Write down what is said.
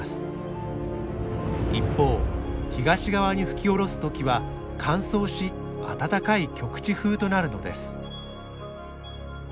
一方東側に吹き降ろす時は乾燥し温かい局地風となるのです。